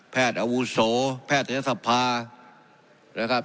แพทย์อาวุศัษย์โทรแพทย์ยัตรภาพนี่นะครับ